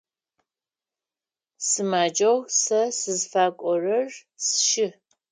Сымаджэу сэ сызыфакӏорэр сшы.